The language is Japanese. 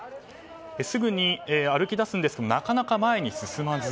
すぐに歩き出すんですがなかなか前に進まず。